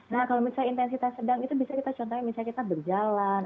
nah kalau misalnya intensitas sedang itu bisa kita contohnya misalnya kita berjalan